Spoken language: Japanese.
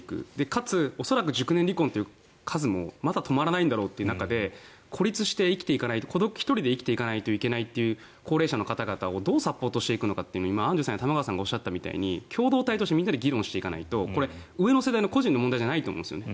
かつ、恐らく熟年離婚という数もまだ止まらないんだろうという中で孤立して１人で生きていかないといけないという高齢者の方々をどうサポートしていくのかという今、アンジュさんや玉川さんがおっしゃったように共同体として議論していかないとこれ、上の世代の個人の問題ではないと思うんですね。